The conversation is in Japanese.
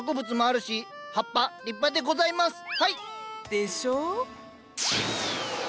でしょ？